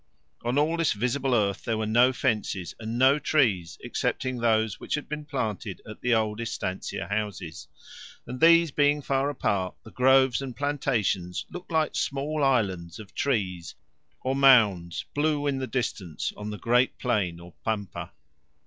On all this visible earth there were no fences, and no trees excepting those which had been planted at the old estancia houses, and these being far apart the groves and plantations looked like small islands of trees, or mounds, blue in the distance, on the great plain or pampa.